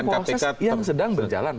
proses yang sedang berjalan